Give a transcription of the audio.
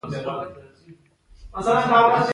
د ساعت ملګرتیا د زیات وخت څخه لرم.